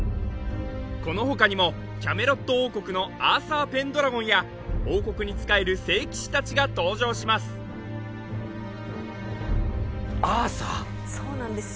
この他にもキャメロット王国のアーサー・ペンドラゴンや王国に仕える聖騎士達が登場しますアーサーそうなんですよ